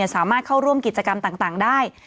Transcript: สามารถเข้าร่วมกิจกรรมต่างได้